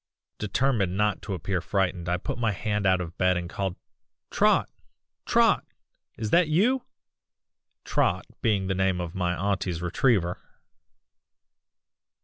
"Determined not to appear frightened I put my hand out of bed and called 'Trot! Trot! is that you?' (Trot being the name of my auntie's retriever.)